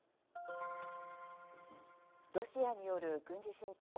ロシアによる軍事侵攻。